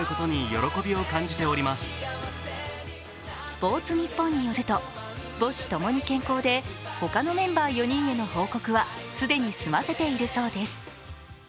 「スポーツニッポン」によると、母子共に健康で、他のメンバー４人への報告は既に済ませているそうです。